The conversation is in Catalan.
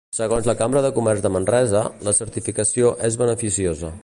Segons la Cambra de Comerç de Manresa, la certificació és beneficiosa.